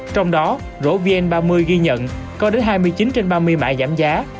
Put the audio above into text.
trong đó rỗ vn ba mươi ghi nhận có đến hai mươi chín trên ba mươi mã giảm giá